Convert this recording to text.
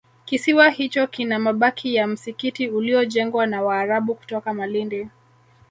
kisiwa hicho kina mabaki ya msikiti uliojengwa na Waarabu kutoka Malindi